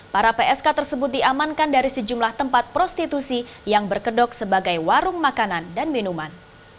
para psk tersebut diamankan dari sejumlah tempat prostitusi yang berkedok sebagai warung makanan dan minuman